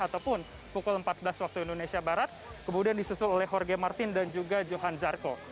ataupun pukul empat belas waktu indonesia barat kemudian disusul oleh jorge martin dan juga johan zarco